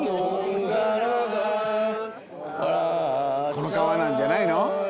この川なんじゃないの？